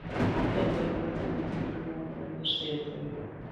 ګاز د افغانستان د اقتصادي منابعو ارزښت زیاتوي.